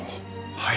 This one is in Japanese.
はい。